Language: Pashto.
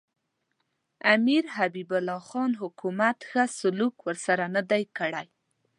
امیر حبیب الله خان حکومت ښه سلوک ورسره نه دی کړی.